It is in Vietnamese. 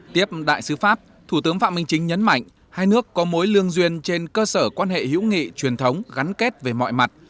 tiếp đại sứ pháp thủ tướng phạm minh chính nhấn mạnh hai nước có mối lương duyên trên cơ sở quan hệ hữu nghị truyền thống gắn kết về mọi mặt